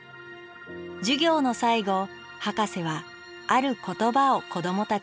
授業の最後ハカセはある言葉を子どもたちに贈りました